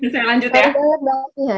saya lanjut ya